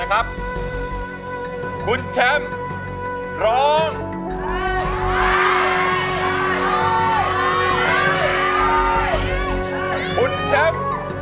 ร้องได้ร้องได้